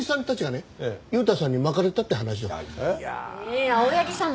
ええっ青柳さん